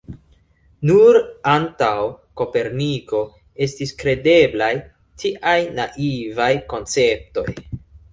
Nur antaŭ Koperniko estis kredeblaj tiaj naivaj konceptoj.